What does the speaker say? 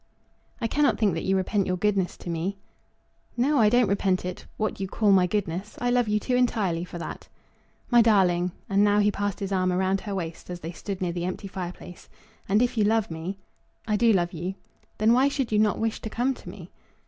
"I cannot think that you repent your goodness to me." "No; I don't repent it; what you call my goodness? I love you too entirely for that." "My darling!" And now he passed his arm round her waist as they stood near the empty fireplace. "And if you love me " "I do love you." "Then why should you not wish to come to me?"